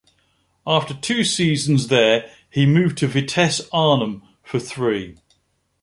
After two seasons there he moved to Vitesse Arnhem for three.